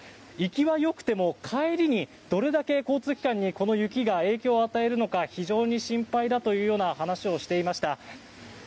行きはよくても帰りにどれだけ交通機関にこの雪が影響を与えるのか非常に心配だというような話をしていました。